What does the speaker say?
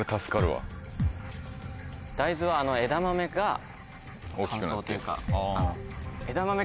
大豆は枝豆が乾燥というか。